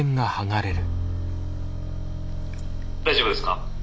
「大丈夫ですか？」。